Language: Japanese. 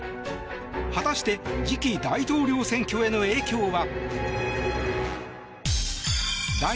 果たして次期大統領選挙への影響は。